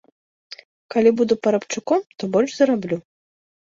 Калі буду парабчуком, то больш зараблю.